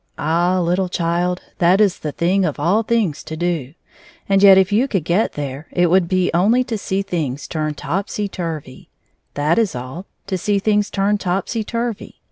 Ah ! little child, that is the thing of all things to do. And yet if you could get there, it would only be to see things turned topsyturvy. That is all — to see things turned topsyturvy.